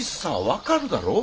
分かるだろ？